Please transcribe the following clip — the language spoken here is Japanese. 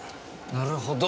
なるほど。